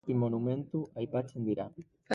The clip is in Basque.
Bertan zazpi monumentu aipatzen dira.